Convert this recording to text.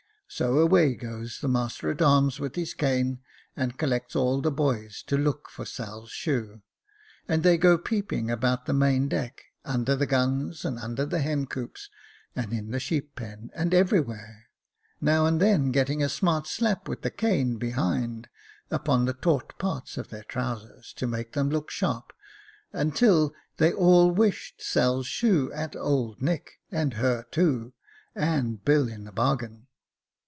So away goes the master at arms with his cane, and collects all the boys to look for Sail's shoe — and they go peeping about the main deck, under the guns, and under the hen coops, and in the sheep pen, and everywhere ; now and then getting a smart slap with the cane behind, upon the taut parts of their trousers, to make them look sharp, until they all wished Sail's shoe at Old Nick and her to, and Bill in the bargain.